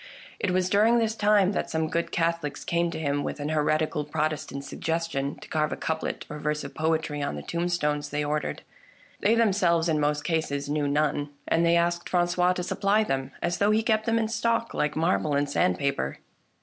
It was during this time that some good Catholics came to him with an heretical Protestant suggestion to carve a couplet or verse of poetry on the tombstones they ordered. They themselves, in most cases, knew none, and they asked Francois to supply them — as though he kept them in stock like marble and sandpaper.